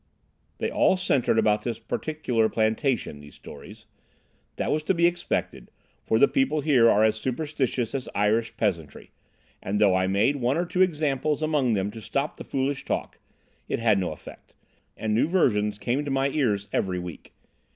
"They all centred about this particular plantation, these stories. That was to be expected, for the people here are as superstitious as Irish peasantry, and though I made one or two examples among them to stop the foolish talk, it had no effect, and new versions came to my ears every week.